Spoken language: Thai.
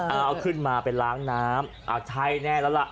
เอาขึ้นมาไปล้างน้ำเอาใช่แน่แล้วล่ะ